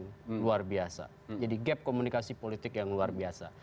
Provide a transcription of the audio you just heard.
yang luar biasa jadi gap komunikasi politik yang luar biasa